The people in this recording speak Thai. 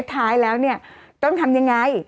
ท้ายแล้วเนี่ยต้องทำยังไง